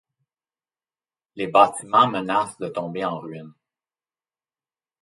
Les bâtiments menacent de tomber en ruine.